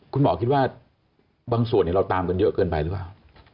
คุณหมอคิดว่าบางส่วนเราตามกันเยอะเกินไปหรือเปล่า